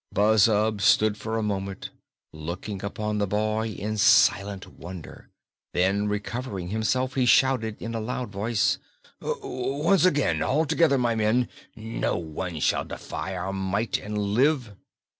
Buzzub stood for a moment looking upon the boy in silent wonder. Then, recovering himself, he shouted in a loud voice: "Once again! All together, my men. No one shall ever defy our might and live!"